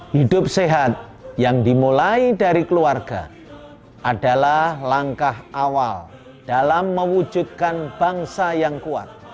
hidup sehat yang dimulai dari keluarga adalah langkah awal dalam mewujudkan bangsa yang kuat